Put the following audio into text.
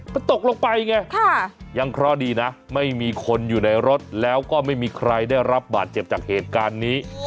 มันตกลงไปไงยังเคราะห์ดีนะไม่มีคนอยู่ในรถแล้วก็ไม่มีใครได้รับบาดเจ็บจากเหตุการณ์นี้